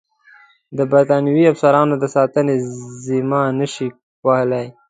د برټانوي افسرانو د ساتنې ذمه نه شي وهلای.